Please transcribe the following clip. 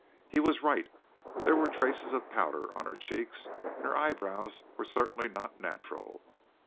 He was right. There were traces of powder on her cheeks, and her eyebrows were certainly not natural.